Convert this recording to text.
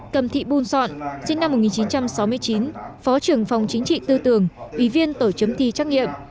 cầm thị bun sọn sinh năm một nghìn chín trăm sáu mươi chín phó trưởng phòng chính trị tư tưởng ủy viên tổ chấm thi trắc nghiệm